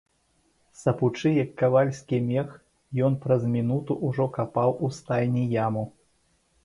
Сапучы, як кавальскі мех, ён праз мінуту ўжо капаў у стайні яму.